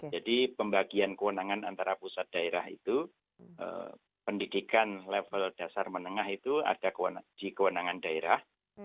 jadi pembagian kewenangan antara pusat daerah itu pendidikan level dasar menengah itu ada di kewenangan daerah